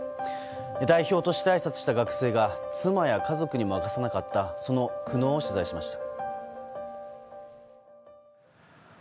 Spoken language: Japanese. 代表としてあいさつした学生が妻や家族にも明かさなかったその苦悩を取材しました。